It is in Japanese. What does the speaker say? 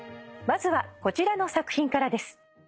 まずはこちらの作品からです。